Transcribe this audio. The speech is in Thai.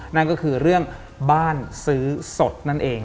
นั่นก็คือเรื่องบ้านซื้อสดนั่นเอง